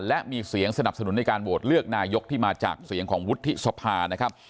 และมีเสียงสนับสนุนในการโหวตเลือกนายกที่มาจากเสียงของวุฒิสภานะครับ